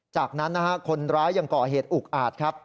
จากนั้นคนร้ายยังก่อเหตุอุกอาจ